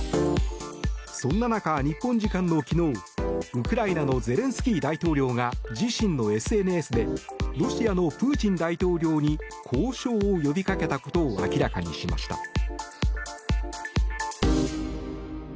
そんな中、日本時間の昨日ウクライナのゼレンスキー大統領が自身のＳＮＳでロシアのプーチン大統領に交渉を呼びかけたことを明らかにしました。